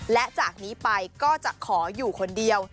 และจากนี้ไปก็จะขออยู่คนเดียว